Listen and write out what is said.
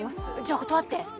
じゃ断って。